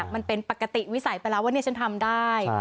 มันเป็นปกติวิสัยไปแล้วว่านี่ฉันทำได้